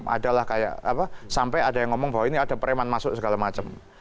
adalah kayak apa sampai ada yang ngomong bahwa ini ada preman masuk segala macam